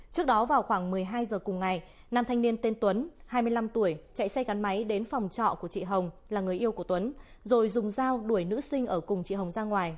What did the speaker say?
trước đó vào khoảng một mươi hai giờ cùng ngày nam thanh niên tên tuấn hai mươi năm tuổi chạy xe gắn máy đến phòng trọ của chị hồng là người yêu của tuấn rồi dùng dao đuổi nữ sinh ở cùng chị hồng ra ngoài